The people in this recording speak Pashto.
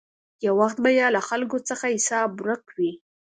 یو وخت به یې له خلکو څخه حساب ورک وي.